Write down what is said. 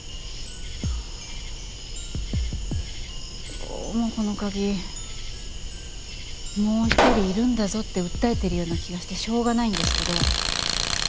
どうもこの鍵もう１人いるんだぞって訴えてるような気がしてしょうがないんですけど。